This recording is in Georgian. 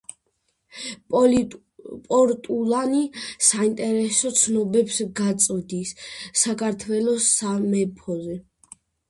პორტულანი საინტერესო ცნობებს გვაწვდის საქართველოს სამეფოზე.